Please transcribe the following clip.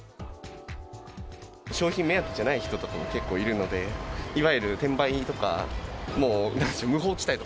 商品目当てじゃない人とかも結構いるので、いわゆる転売人とか。